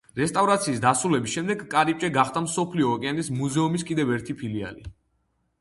რესტავრაციის დასრულების შემდეგ კარიბჭე გახდა მსოფლიო ოკეანის მუზეუმის კიდევ ერთი ფილიალი.